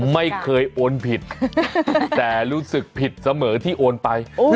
ไม่เคยโอนผิดแต่รู้สึกผิดเสมอที่โอนไป